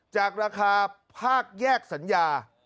จากราคาภาคแยกสัญญา